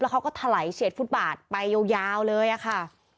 เขาก็ถลายเฉียดฟุตบาทไปยาวเลยค่ะ